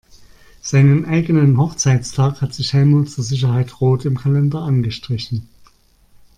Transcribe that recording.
Seinen eigenen Hochzeitstag hat sich Helmut zur Sicherheit rot im Kalender angestrichen.